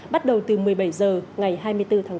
bắt đầu từ một mươi bảy h ngày hai mươi bốn tháng bốn